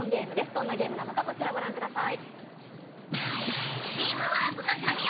どんなゲームなのかこちらをご覧ください。